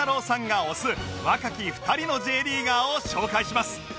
さんが推す若き２人の Ｊ リーガーを紹介します